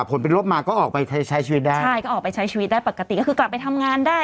ผลเป็นลบมาก็ออกไปใช้ใช้ชีวิตได้ใช่ก็ออกไปใช้ชีวิตได้ปกติก็คือกลับไปทำงานได้